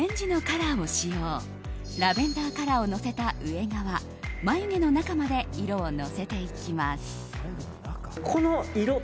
ラベンダーカラーをのせた上側眉毛の中まで色をのせていきます。